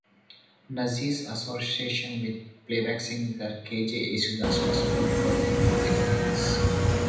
Nazir's association with playback singer K. J. Yesudas was perfect for the audience.